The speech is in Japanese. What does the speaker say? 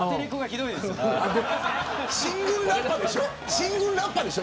進軍ラッパでしょ。